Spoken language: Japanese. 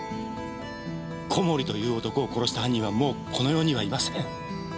小森という男を殺した犯人はもうこの世にはいません。